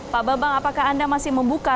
pak bambang apakah anda masih membuka